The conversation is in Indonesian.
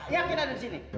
yakin ada disini